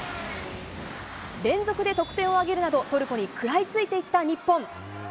連続で得点を挙げるなど、トルコに食らいついていった日本。